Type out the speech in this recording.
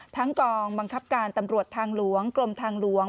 กองบังคับการตำรวจทางหลวงกรมทางหลวง